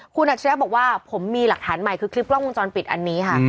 คุณอัจฉริยะบอกว่าผมมีหลักฐานใหม่คือคลิปกล้องวงจรปิดอันนี้ค่ะ